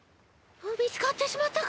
みつかってしまったか！